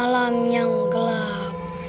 malam yang gelap